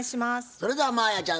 それでは真彩ちゃん